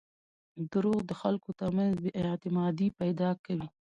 • دروغ د خلکو ترمنځ بېاعتمادي پیدا کوي.